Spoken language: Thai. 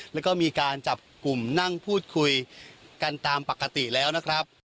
แล้วก็มีการจับกลุ่มนั่งพูดคุยกันตามปกติแล้วนะครับ